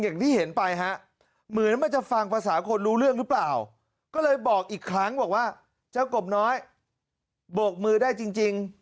อย่างที่เห็นไปฮะเหมือนมันจะฟังภาษาคนรู้เรื่องหรือเปล่าก็เลยบอกอีกครั้งบอกว่าเจ้ากบน้อยโบกมือได้จริง